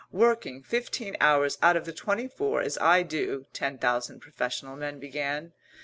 "Working fifteen hours out of the twenty four, as I do " ten thousand professional men began.